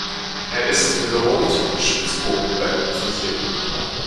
Er ist mit Rund- und Spitzbogenblenden versehen.